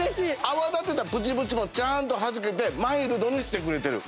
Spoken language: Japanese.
泡立てたプチプチもちゃんとはじけてマイルドにしてくれてる。